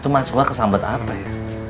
itu mas suha kesambet apa ya